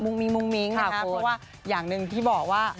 มิ้งมุ้งมิ้งนะครับเพราะว่าอย่างหนึ่งที่บอกว่า